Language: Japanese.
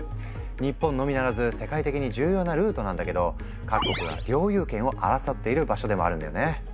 日本のみならず世界的に重要なルートなんだけど各国が領有権を争っている場所でもあるんだよね。